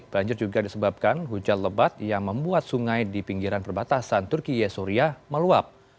banjir juga disebabkan hujan lebat yang membuat sungai di pinggiran perbatasan turkiye suria meluap